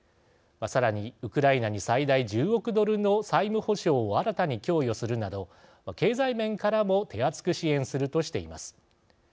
さらにウクライナに最大１０億ドルの債務保証を新たに供与するなど経済面からも手厚く支援するとしています。